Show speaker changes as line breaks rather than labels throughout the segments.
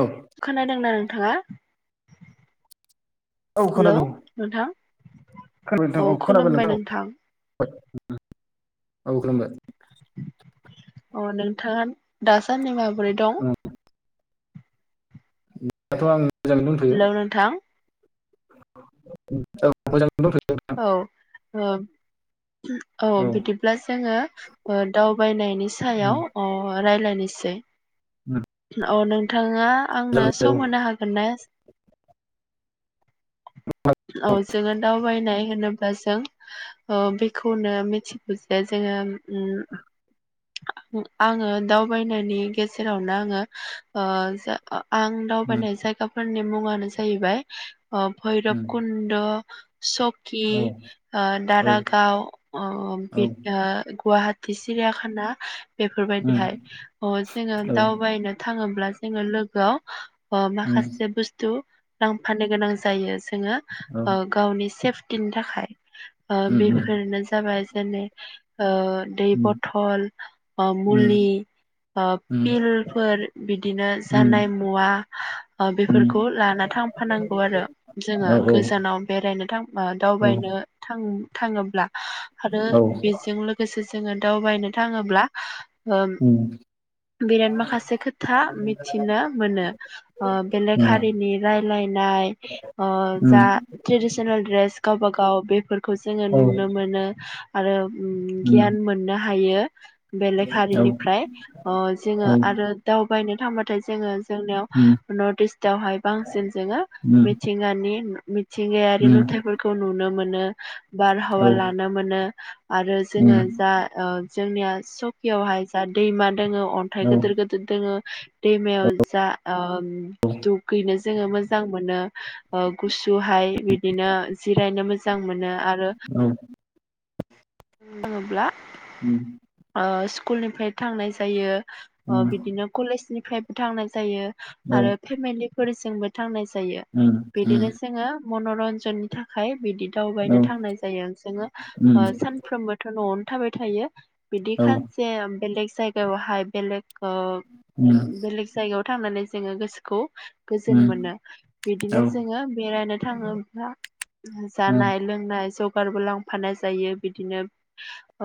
औ
खोनादोंना नोंथाङा? हेलौ नोथां
खोनथां औ खोनाबाय नोंथां औ खुलुमबाय
अ नोंथांआ दासान्दि माबोरै दं?
दाथ आं मोजाङैनो दंथ'यो
हेल नोंथां
[unintelligible] नोंथां
औ औ बिदिब्ला जोङो दावबायनायनि सायाव
मोजां
राय्लायनि से अ नों ननोङा
औ
आंनो
औ
सम होनो हागोन ना? औ जोंओ दाव [unintelligible] नाय होनोबा जों ओ बेखौनो मिथिगौ जे जोङो ओ आङो दावबायनायनि गेजेरावनो आङो ओ [unintelligible] आं
औ
दावबायनाय जायगा फोरनि मुङानो जाहैबाय
औ
भैरब कुन्द' स कि,
औ औ
दारागाव
औ
गुवाहाटि सिरियाखाना
औ औ
बेफोरबायदिहाय अ जोङो दावबायनो थाङोब्ला जोङो लोगोआव ओ माखासे बुस्थु लांफानो गोनां जायो ओ जोङो गावनि सेफ टिनि थाखाय। ओ बेफोरानो जाबाय जानाय ओ दै बथल, मुलि पिलफोर बि दिनो जानाय मुवा ओ बेफोरखौ लाना थांफानांगौ आरो जोङो गोजानाव बेरायनो थां बा दावबायनो थां-थाङोब्ला आरो बेजों लोगोसे जोङो दावबायनो थाङोब्ला ओ
उम
बिराद माखासे खो था मिथिनो मोनो। ओ बेलेक हारिनि रायलायनाय ओ जा ट्रेदिसनेल द्रेस गावबागाव बेफोर खौ जोङो नुनो मोनो आरो गियान मोननो हायो बेलेक हारिनिफ्राय अ जोङो आरो दावबायनो थांबाथाय जोङो जोंनियाव नर्ट इस्ट दावहाय बांसिन जोङो मिथिंगानि मि थिंगायारिल' खौ नुनो मोनो बारहावा लानो मोनो आरो जोङो जा ओ जोंनिया सकियावहाय जा दैमा दोङो अन्थाइ गोदोर गोदोर दोङो दैमायाव जा ओ दुगैनो जोङो मो मोजां मोनो ओ गुसुहाय बि दिनो जिरायनो मोजां मोनो आर ओ बुङोब्ला
उम
ओ स्कुलनिफ्राय थांनाय जायो ओ
औ
बिदिनो कलेजनिफ्रायबो थांनाय जायो
औ
आरो फेमिलिफोरजोंबो थांनाय जायो
उम उम
बिदिनो जोङो मनरन्जननि थाखाय बिदि दावबायनो
औ
थांनाय जायो जोङो
उम
ओ सानफ्रोमबो थ नआवनो थाबाय थायो बिदि
औ
खानसे ओम बेलेग जायगायावहाय बेलेग ओ
उम
बेलेग जायगायाव थांनानै जोङो गोसोखौ गोजोन
उम
मोनो
औ
बिदिनो जोङो बेरायनो थाङो बा
उम
जानाय लोंनाय जुग बारबो लांफानाय जायो बिदिनो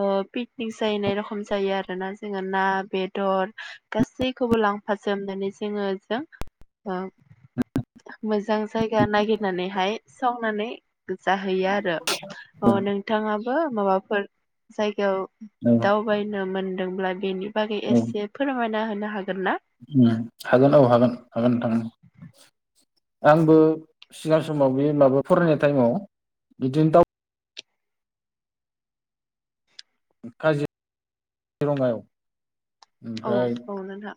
ओ पिकनिक जाहैनाय रखम जायो आरोना जोङो ना बेदर गासैखौबो लांफाजोबनानै जोङो जों ओ मोजां जायगा नागिरनानै हाय सावनानै जाहैयो आरो
औ
अ नों माबा माबाफोर जायगायाव
औ औ
दाउबायनो मोन दोंब्ला बेनि बागै एसे फोरमायना हो नों हागोन ना?
उम हागोन औ हागोन। हागोन नोंथां। आंबो सिगां समाव बे माबा फरायनाय टाइमाव बिदिनो दाउ काजि रङायाव
औ औ नोंथां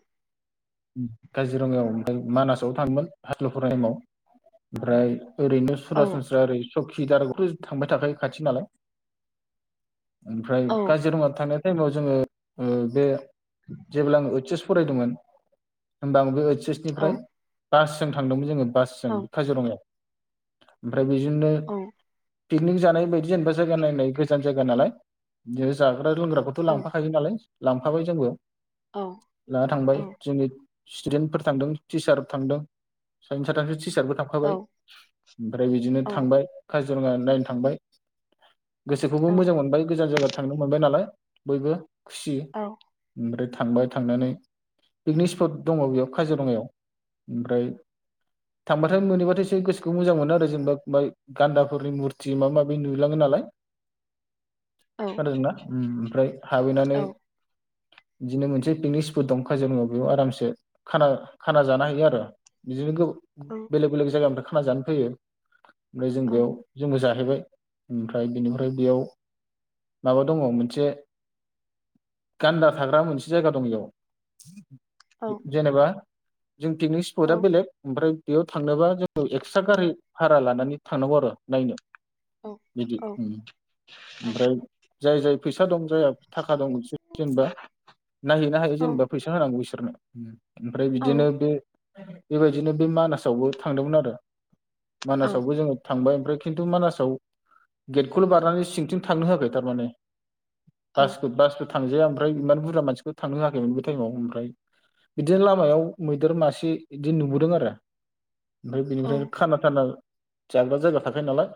काजिरङायाव ओमफ्राय मानासाव थाङोमोन हाइस्कुलाव फरायनाय टायेमाव ओमफ्राय ओरैनो
औ
सुरासनस्रा ओरै सखिदाराबोथ थांबाय थाखायो खाथि नालाय ओमफ्राय
औ
काजिरङा थानाय टायेमाव जोङो ओ बे जेब्ला आं एइच्छ एच फरायदोंमोन होमबा आंबो एइच्छ [unintelligible]
औ
निफ्राय बासजों थांदोंमोन जोङो। बासजों
औ
बे काजिरङायाव दा बिजोंनो पिकनिक जानाय बायदि जेनोबा जायगा नायनाय गोजान जायगा नालाय बिदिनो जा ग्रा लोंग्राखौथ
औ
लांफाखायो नालाय। लांफाबाय जोंबो।
औ
लाना थांबाय
औ
स्टुडेन्टफोर थांदों टिचार थांदों सानै साथामसो टि चारबो
औ
थांफाबाय ओमफ्राय बिदिनो थांबाय काजिरङा नायनो थांबाय। गोसोखौबो
औ
मोजां मोनबाय गोजान जायगायाव थांनो मोनबाय नालाय। बयबो। खुसि
औ
ओमफ्राय थांबाय थांनानै पिकनिक स्पट दङ बेयाव काजिरङायाव, ओमफ्राय थांबाथाय मोनैबाथाय एसे गोसोखौ मोजां मोनो आरो जेनोबा ओमफ्राय गान्दाफोरनि मुरथि माबा माबि नुलाङो नालाय। खोनादोंना उम ओमफ्राय हाबहैनानै बिदिनो मोनसे पिकनिक स्पट दं। जोङो बेयाव आरामसे खाना खाना जानो हायो आरो बिदिनो गो
औ
बेलेग बेलग जायगानि फ्राय खाना जानो फैयो। ओमफ्राय जों बेयाव जोंबो जा जाहैबाय ओमफ्राय बेनिफ्राय बेयाव माबा दङ मोनसे गान्दा थाग्रा मोनसे जायगा दं बेयाव [inaudible] जेनेबा जों पिकनिक स्पटआ बेलेग ओमफ्राय। बेयाव थांनोबा जोङो एक्सट्रा गारि भारा लानानै थांनांगौ आरो नायनो। बिदि
औ
उम
औ
ओमफ्राय जाय जाय फैसा दं जाया थाख खा दं जेनेबा नायहैनो हायो
औ
जेनेबा। फैसा होनांगौ बिसोरनो। ओमफ्राय बिदिनो बे बेबायदिनो बे मानासावबो थांदोंमोन आरो। मानासावबो जोङो थांबाय ओमफ्राय खिन्थु मानासाव गेटखौल बारनानै सिंथिं थांनो हो आखै थारमाने बासकु बासकु थांजाया ओमफ्राय इमान बुरजा मानसिखौ थांनो होआखैमोन बे थायेमाव ओमफ्राय बिदिनो लामायाव मैदेर मासे इदि नुबोदों आरो ओमफ्राय बेनिफ्राय खाना थाना जाग्रा जायगा थाखायो नालाय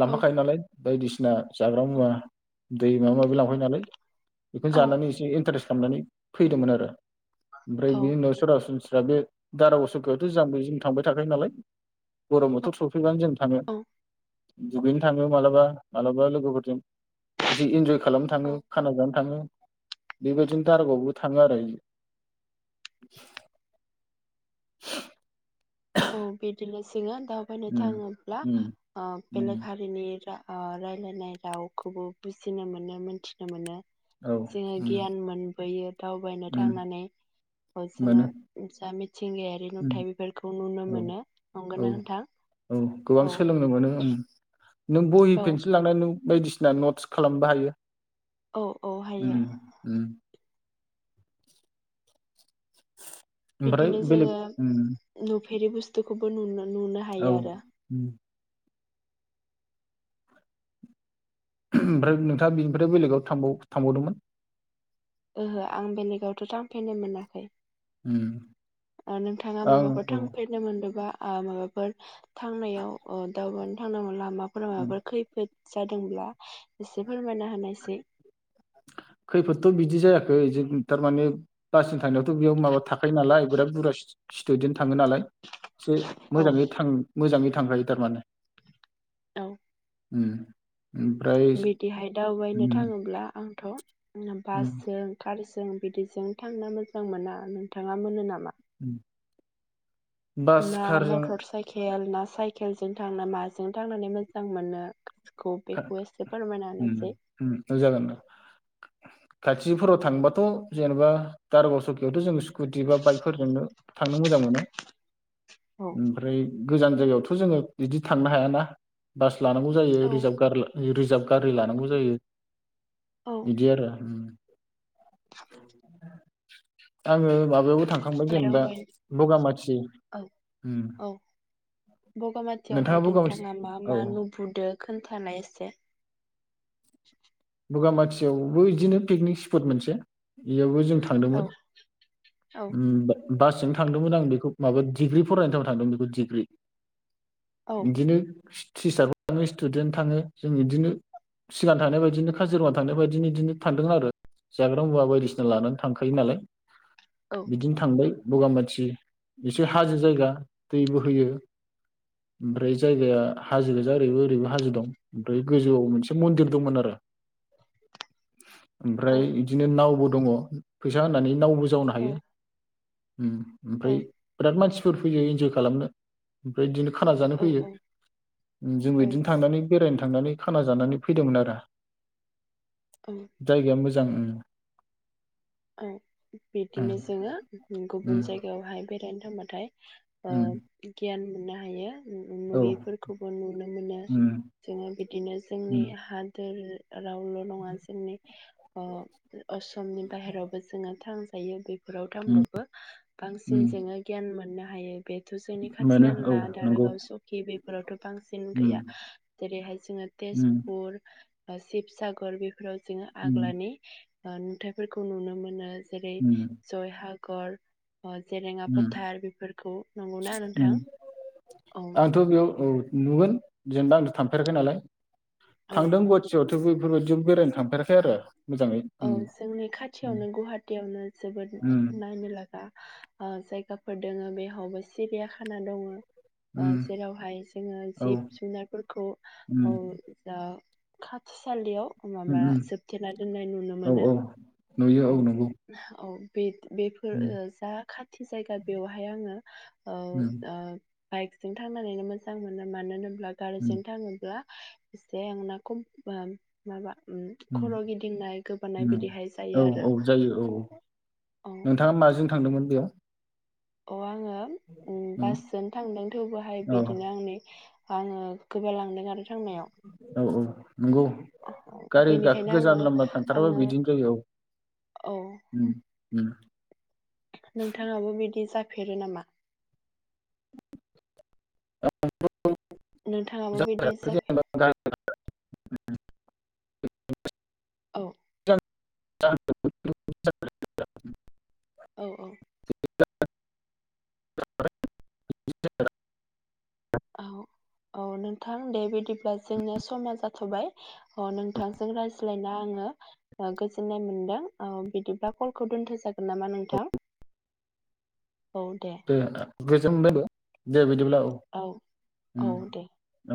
लांफाखायो नालाय बायदिसिना जाग्रा मुवा दै माबा माबि लांफायो नालाय बेखौनो जानानै एसे इन्टारेस्ट खालामनानै फैदोंमोन आरो ओफ्राय बे उनाव सुरा सुन दा बे दारा असकियाथ जाम बे जों थांबाय थाखायो नालाय गरम बोथोर सफैबानो जों थानो दुगैनो थाङो मालाबा मालाबा लोगोफोरजों एसे इन्जय खालामनो थाङो खाना जानो थाङो बेबादिनो दार गाव बबो थाङो आरो [unintelligible]
औ बिदिलसै जोङो दावबायनो
उम
थाङोब्ला
उम
बेलेग
उम
हारिनि ओ रायलायनाय रावखौबो बुजिनो मोनो मोन्थिनो मोनो
औ
जोङो
उम
गियान मोनबोयो दावबायनो
उम
थांनानै अ जोङा
मोनो
जा मिथ थिंगायारि
उम
नुथाय बेफोरखौ नुनो
औ
मोनो
औ
नंगौना नोंथां
औ गोबां
औ
सोलोंनो मोनो उम नों बहि
औ
पेन्सिल लांनानै नों बायदिसि सिना नटस खालामनोबो हायो
औ औ
उम
हायो
उम ओमफ्राय बेलेग उम
फेरै बुस्थुखौबो नुना
औ उम ओम ओमफ्राय नोंथाङा बिनिफ्राय बेलेगाव थांबाव थांबावदोंमोन
ओहो आं बेनेगावथ थां खैनो मोनाखै
उम
ओ नोंथाङा
ओं
बबाफोर
औ
थांफेरनो मोन्दोंबा ओ माबाफोर थांनायाव ओ दावबायनो थांनांगो लामा फोराव
ओं।
माबाफोर खैफोद जादोंब्ला एसे फोरमायना होनायसै।
खै जेबो थारमाने बासजों थांनायावथ बेयाव माबा थाखायो नालाय बिराद बुरजा सि-सिटुडेन्ट थाङो नालाय से
औ
मोजाङै थां मोजाङै थांखायो थारमाने
औ।
उम। ओमफ्राय
बिहाय दावबायनो
उम
थाङोब्ला आंथ आंना
उम
बासजों थारिस जों बिदिजों थांनो मोजां मोना। नोंथाङा मोनो नामा?
उम। बास
ना
कारजों
मटर साइकेल ना साइकेलजों थांना माजों थांनानै मोजां मोनो स्ख
था
बेखौ एसे फोरमायना
उम
होनायसाय।
उम जागोन खाथिफोराव थांबाथ जेनेबा दारागाव सकियावथ जों स्कुटि बा बाइकफोरजोंनो थांनो मोजां मोनो।
औ
ओमफ्राय गोजान जायगायाव थ जो बिदि थांनो हाया ना बास लानांगौ जायो
औ
रिजार्भ रिजार्भ गारि लानांगौ जायो‌।
औ
बिदि आरो उम। आङो माबायावबो थांखांबाय जेनेबा
दावबाय
बगामाथि
औ
उम
औ बगामाथियावहाय
नोंथाङा बगामाथि
मा मा
औ
नुबोदो खोन्थानाय एसे।
बगामाथियावबो बिदिनो पिकनिक स्पट मोनसे बेयावबो जों
औ
थांदोंमोन
औ
उम बासजोंनो थांदोंमोन। आं बेखौ माबा डिग्रि फरायनाय टाइमाव थांदोंमोन बेखौ डिग्रि।
औ
इदिनो टिचारबो थाङो स्टुडेन्ट थाङो जों इदिनो सिगां थानाय बायदिनो खाजिरङा थांनाय बादिनो बिदिनो थांदों आरो जाग्रा मुवा बायदिसिना लानानै थांखायो नालाय।
औ
बिदिनो थांबाय। बगामाथि एसे हाजो जायगा दै बोहैयो ओमफ्राय जायगाया हाजो गोजा ओरैबो ओरैबो हाजो दं ओमफ्राय गोजौआव मोनसे मन्दिर दंमोन आरो। [inaudible]
औ
ओमफ्राय बिदिनो नावबो दङ' फैसा होननानै नावबो जावनो
औ
हायो। उम ओमफ्राय बिराद मानसि फोर फैयो इनजय खालामनो ओमफ्राय इदिनो खाना जानो
औ
फैयो,
औ
जोंबो इदिनो थांनानै बेरायनो थांनानै खाना जानानै फैदोंमोन आरो। जायगाया मो जां उम।
औ बिदिनो जोङो गुबुन
उम
जायगायावहाय बेरायनो थांमोन। थाइ
उम
ओ गियान मोननो हायो। उम उम
औ
नुयिफोरखौबो नुनो मोनो
उम
जोङो बिदिनो जोंनि
उम
हादोर रावल' नङा जोंनि ओ असमनि बाहेरावबो जोङो थांजायो बे बेफोराव
उम
थांबाबो बांसिन
उम
जोङो गियान मोननो हा हायो। बेथ' जोंनि खाथि
मोनो औ
खाला
नंगौ
दारागाव सकि बेफोरावथ' बांसिन
उम
गैया जेरैहाय जोङो
उम
तेजपुर ओ शिबसागर बि बे फोराव जोङो
उम
आग्लानि [unintelligible] फोरखौ नुनो मोनो। जेरै
उम
जय हाग गर जेरेंङा
उम
फथार बेफोरखौ नंगौना नोंथां
उम
औ।
आंथ' बेयाव औ नुगोन जेनेबा आंथ' थांफेराखै नालाय।
औ
थांदों गुहाटियावथ' बैफोरबायदियाव बेरायनो थां [unintelligible]
औ जोंनि खाथियावनो गुवाहाटियावनो जोबोद
उम
नायनो लागा ओ जायगाफोर दोङो बेहावबो सिरियाखाना दङो। ओ
उम
जेरावहाय जोङो
औ उम
जिब जुनारफोरखौ ओ जा थसालियाव
उम
माबा
उम
जोबथेना दोन्नाय नुनो
औ
मोनो
औ नुयो औ नंगौ
औ बे बेफोर
उम
जा खाथि जायगा बेवहाय आङो ओ
उम
ओ बाइकजों थांनानैनो मोजां मोनो मानो होन [unintelligible]
उम
गारिजों थाङोब्ला [unintelligible] ओम
उम
खर गिदिंनाय गोबानाय
उम
बिदिहाय
औ
आरो
औ जायो औ
औ
नोंथाङा माजों थांदोंमोन? [unintelligible]
अ आङो ओम
उम
बासजों थांदों थेवबोहाय
औ
बिदिनो आंनि आङो गोबाल लांदों आरो थांनायाव
औ औ नंगौ
औ
गारि गाखो
बेनिखायनो
गोजान
आङो
लामा थांथाराबा
आङो
बिदिनो जायो औ
औ
ओम ओम
नोंथाङाबो बिदि जा फेरो नामा? नोंथाङाबो बिदि जाफे
[unintelligible]
औ
[unintelligible]
औ औ
[unintelligible]
औ औ नोंथां दे बिदिब्ला जोंनिया समा जाथबाय औ नोंथांजों रायज्लायना आङो गोजोननाय मोनदों औ बिदिब्ला कलखौ दोनथ जागो न नामा नोंथां
दे [unintelligible] दे बिदिब्ला
औ औ
उम
दे
औ